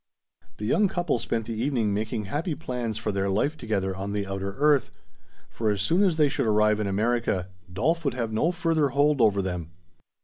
The young couple spent the evening making happy plans for their life together on the outer earth, for as soon as they should arrive in America, Dolf would have no further hold over them.